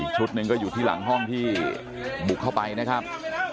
ชุดหนึ่งก็อยู่ที่หลังห้องที่บุกเข้าไปนะครับ